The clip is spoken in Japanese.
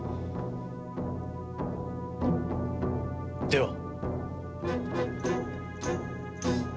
では。